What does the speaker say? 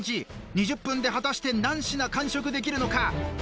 ２０分で果たして何品完食できるのか？